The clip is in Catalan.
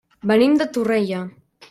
Venim de Torrella.